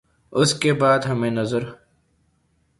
اس کے بعد ہمیں نظر